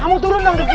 kamu turun dong rifki